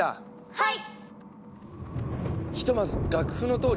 はい！